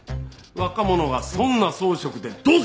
若者がそんな草食でどうする？